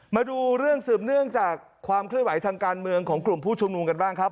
มาดูเรื่องสืบเนื่องจากความเคลื่อนไหวทางการเมืองของกลุ่มผู้ชุมนุมกันบ้างครับ